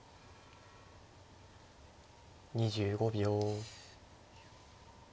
２５秒。